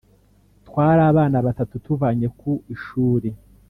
twari abana batatu tuvanye ku ishuli